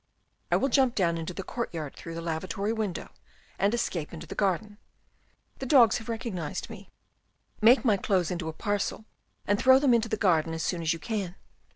" I will jump down into the courtyard through the lavatory window, and escape in the garden ; the dogs have recognised me. Make my clothes into a parcel and throw them into the garden as soon as you can.